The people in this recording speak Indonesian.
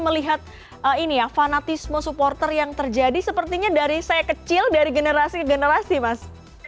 melihat ini ya fanatisme supporter yang terjadi sepertinya dari saya kecil dari generasi ke generasi mas